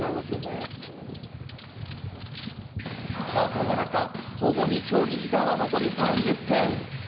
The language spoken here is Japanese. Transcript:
そんな中、スポＧＯＭＩ競技時間は残り３０分。